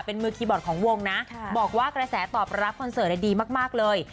เป็นมือคีย์บอร์ดของวงนะบอกว่ากระแสตอบรับคอนเสิร์ตดีมากเลย